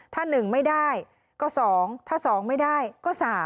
ถ้า๑ไม่ได้ก็๒ถ้า๒ไม่ได้ก็๓